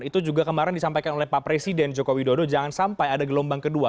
itu juga kemarin disampaikan oleh pak presiden joko widodo jangan sampai ada gelombang kedua